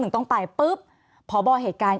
ต้องตายปุ๊บพอบอเหตุการณ์